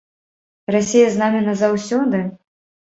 Расія з намі назаўсёды?